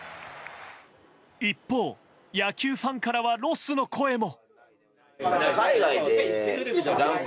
一方、野球ファンからはロスの声も。